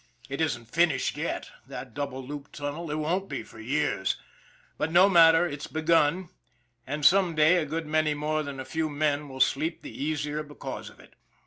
It isn't finished yet, that double looped tunnel, it won't be for years, but, no matter, it's begun, and some day a good many more than a few men will sleep the easier because of it.